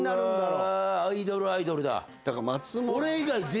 うわアイドルアイドルだ。